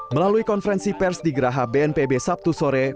melalui konferensi pers di geraha bnpb sabtu sore